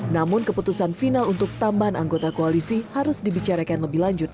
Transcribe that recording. namun keputusan final untuk tambahan anggota koalisi harus dibicarakan lebih lanjut